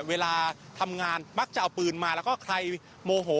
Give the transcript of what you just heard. เวลาทำงานมักจะเอาปืนมาแล้วก็ใครโมโห